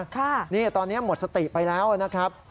ตรงนี้หมดสติไปแล้วนะครับ